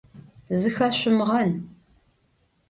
Зыхэшъумгъэн.